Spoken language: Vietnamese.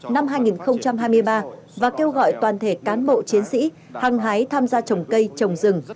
năm hai nghìn hai mươi ba và kêu gọi toàn thể cán bộ chiến sĩ hăng hái tham gia trồng cây trồng rừng